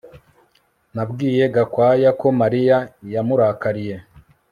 Nabwiye Gakwaya ko Mariya yamurakariye